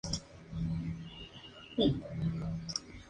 Fue un escritor, periodista y político liberal asturiano.